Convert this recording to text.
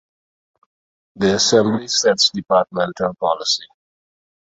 The Assembly sets departmental policy.